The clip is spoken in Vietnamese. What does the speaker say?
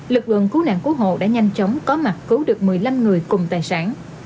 lực lượng cứu nạn cứu hộ đã nhanh chóng có mặt cứu được một mươi năm người cùng tài sản